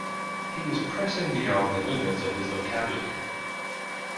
He was pressing beyond the limits of his vocabulary.